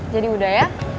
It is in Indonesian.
jadi udah ya